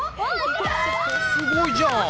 すごいじゃん！